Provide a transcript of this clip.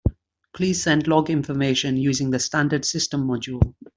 Please send log information using the standard system module.